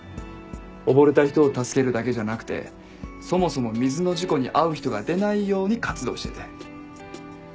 溺れた人を助けるだけじゃなくてそもそも水の事故に遭う人が出ないように活動してて。